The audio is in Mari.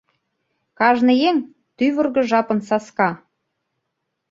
Кажне еҥ — тӱвыргӧ жапын саска.